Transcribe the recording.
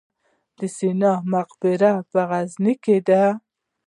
د سنايي مقبره په غزني کې ده